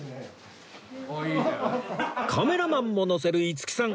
カメラマンものせる五木さん